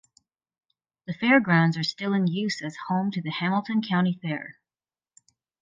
The fairgrounds are still in use as home to the Hamilton County Fair.